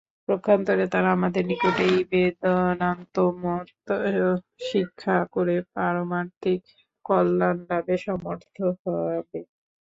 পক্ষান্তরে তারা আমাদের নিকট এই বেদান্তমত শিক্ষা করে পারমার্থিক কল্যাণলাভে সমর্থ হবে।